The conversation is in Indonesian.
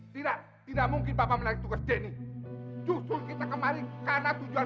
tidak tidak mungkin bapak menangis juga deni justru kita kemarin karena tujuan